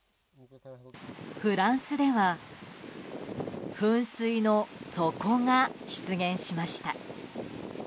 フランスでは噴水の底が出現しました。